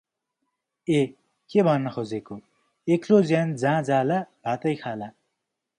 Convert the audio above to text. ए के भन्न खोजेको एक्लो ज्यान जा जाला भातै खाला।